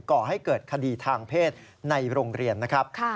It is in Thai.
ก่อให้เกิดคดีทางเพศในโรงเรียนนะครับ